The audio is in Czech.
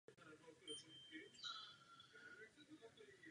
Již v dětství se u něj projevilo velké nadání ke studiu Talmudu.